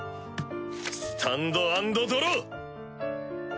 スタンドアンドドロー！